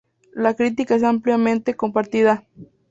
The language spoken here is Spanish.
La crítica es ampliamente compartida.